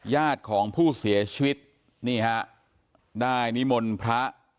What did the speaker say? ญาติของผู้เสียชีวิตนี่ฮะได้นิมนต์พระ